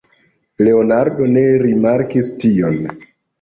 Leonardo ne rimarkis tion.